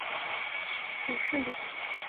起士林。